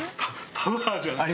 パワーじゃない？